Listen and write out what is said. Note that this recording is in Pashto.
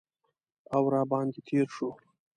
او را باندې تیر شو